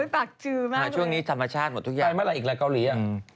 ปากจือมากเลย